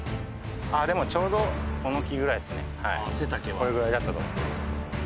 ああでもこれぐらいだったと思います。